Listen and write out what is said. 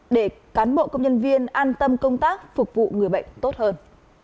để cán bộ công nhân viên an tâm công tác phục vụ người bệnh tốt hơn